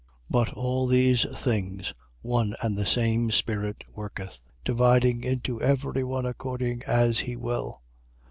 12:11. But all these things, one and the same Spirit worketh, dividing to every one according as he will.